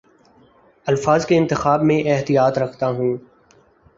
الفاظ کے انتخاب میں احتیاط رکھتا ہوں